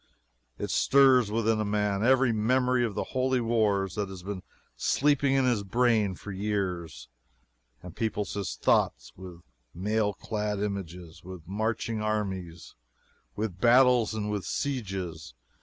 It stirs within a man every memory of the Holy Wars that has been sleeping in his brain for years, and peoples his thoughts with mail clad images, with marching armies, with battles and with sieges.